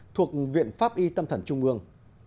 thuộc viện pháp y tâm thần trung ương